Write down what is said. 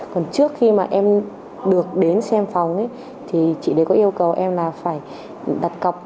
còn trước khi mà em được đến xem phòng thì chị đấy có yêu cầu em là phải đặt cọc